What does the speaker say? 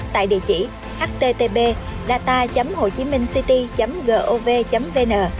tại địa chỉ http data hochiminhcity gov vn